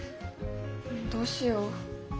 どうしよう。